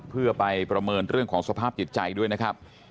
เพื่อไปประเมินเรื่องของสภาพจิตใจด้วยนะครับ